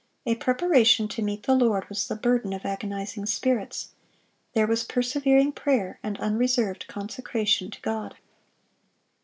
A preparation to meet the Lord was the burden of agonizing spirits. There was persevering prayer, and unreserved consecration to God.